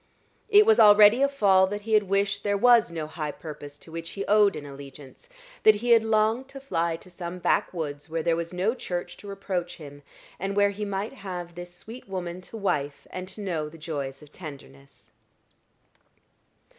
It was already a fall that he had wished there was no high purpose to which he owed an allegiance that he had longed to fly to some backwoods where there was no church to reproach him, and where he might have this sweet woman to wife, and to know the joys of tenderness.